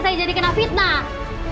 saya jadi kena fitnah